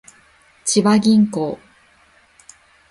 千葉銀行